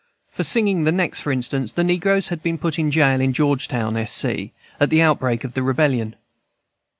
For singing the next, for instance, the negroes had been put in jail in Georgetown, S. C., at the outbreak of the Rebellion.